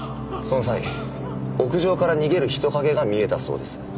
その際屋上から逃げる人影が見えたそうです。